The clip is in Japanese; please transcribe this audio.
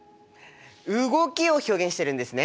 「動き」を表現してるんですね！